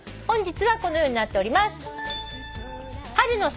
本日はこのようになっております。